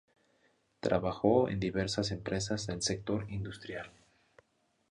Trabajó en diversas empresas del sector industrial.